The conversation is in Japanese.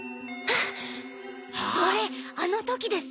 それあの時です！